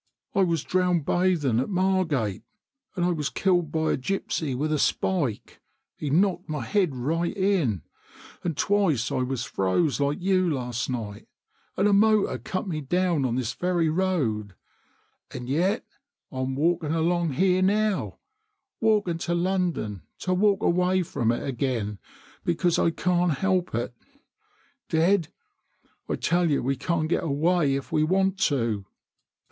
1 84 ON THE BRIGHTON ROAD was drowned bathing at Margate, and I was killed by a gipsy with a spike he knocked my head right in ; and twice I was froze like you last night ; and a motor cut me down on this very road, and yet I'm walking along here now, walking to London to walk away from it again, because I can't help it. Dead ! I tell you we can't get away if we want to."